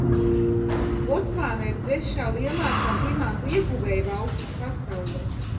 Botsvāna ir trešā lielākā dimantu ieguvējvalsts pasaulē.